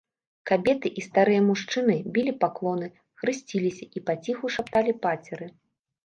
Кабеты і старыя мужчыны білі паклоны, хрысціліся і паціху шапталі пацеры.